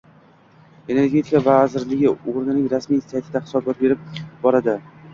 Energetika vazirligi oʻzining rasmiy saytida hisobot berib boradi.